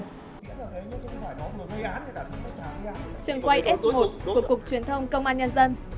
trường quay s một của cục truyền thông công an nhân dân